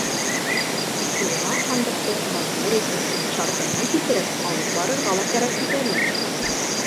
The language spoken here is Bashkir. Тик туйға һандыҡты матур итеп, шартына килтереп алып барырға ла кәрәк бит әле.